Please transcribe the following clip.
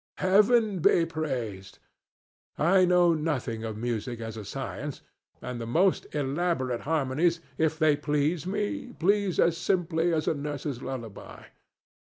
Heaven be praised! I know nothing of music as a science, and the most elaborate harmonies, if they please me, please as simply as a nurse's lullaby.